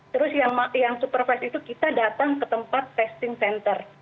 terus yang supervise itu kita datang ke tempat testing center